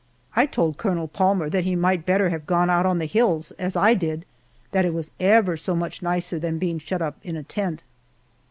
I told Colonel Palmer that he might better have gone out on the hills as I did; that it was ever so much nicer than being shut up in a tent.